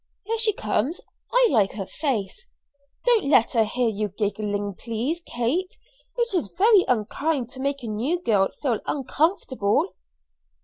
Here she comes. I like her face. Don't let her hear you giggling, please, Kate; it is very unkind to make a new girl feel uncomfortable."